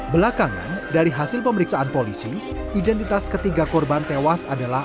belakangan dari hasil pemeriksaan polisi identitas ketiga korban tewas adalah